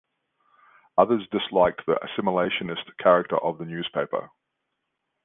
Others disliked the assimilationist character of the newspaper.